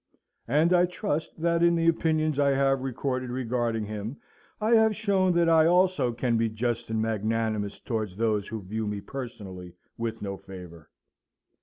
[And I trust that in the opinions I have recorded regarding him, I have shown that I also can be just and magnanimous towards those who view me personally with no favour.